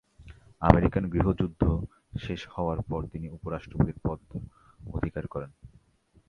American গৃহযুদ্ধ শেষ হওয়ার পর তিনি উপ-রাষ্ট্রপতির পদ অধিকার করেন।